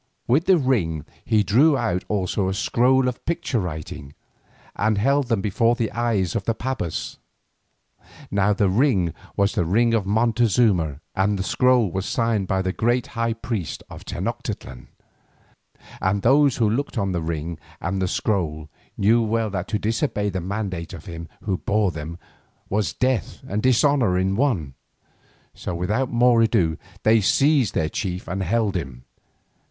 With the ring he drew out also a scroll of picture writing, and held them both before the eyes of the pabas. Now the ring was the ring of Montezuma, and the scroll was signed by the great high priest of Tenoctitlan, and those who looked on the ring and the scroll knew well that to disobey the mandate of him who bore them was death and dishonour in one. So without more ado they seized their chief and held him.